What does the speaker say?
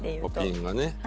ピンがね。